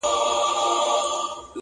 علم ته تلکه سوه عقل لاري ورکي کړې.!